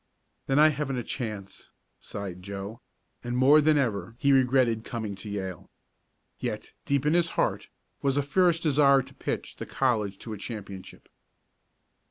"Then I haven't a chance," sighed Joe, and more than ever he regretted coming to Yale. Yet, deep in his heart, was a fierce desire to pitch the college to a championship.